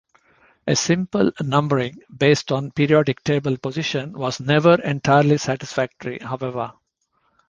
A simple numbering based on periodic table position was never entirely satisfactory, however.